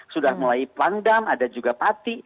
sudah mulai pangdam ada juga pati